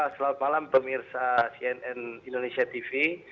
selamat malam pemirsa cnn indonesia tv